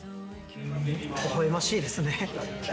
ほほえましいですね。